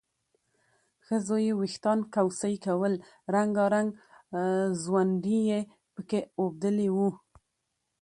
ښځو یې وېښتان کوڅۍ کول، رنګارنګ ځونډي یې پکې اوبدلي وو